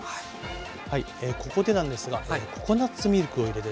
はいここでなんですがココナツミルクを入れてですね